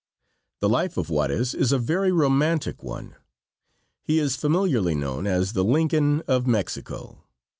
The life of Juarez is a very romantic one. He is familiarly known as the "Lincoln of Mexico."